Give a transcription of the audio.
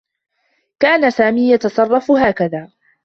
كان سامي يتصرّف هكذا.